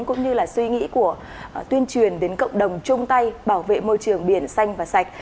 cũng như là suy nghĩ của tuyên truyền đến cộng đồng chung tay bảo vệ môi trường biển xanh và sạch